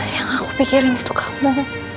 yang aku pikirin itu kamu